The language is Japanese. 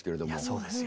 そうですよ。